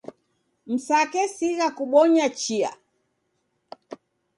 Msakesigha kubonya chia